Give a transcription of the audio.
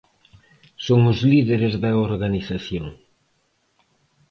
Son os líderes da organización.